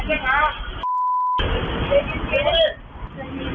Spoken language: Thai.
ชิบรักขอเป็นที